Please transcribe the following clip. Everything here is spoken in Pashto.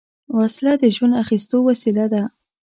وسله د ژوند اخیستو وسیله ده